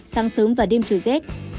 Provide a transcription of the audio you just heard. sáng sớm và đêm trời rét